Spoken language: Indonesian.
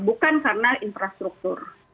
bukan karena infrastruktur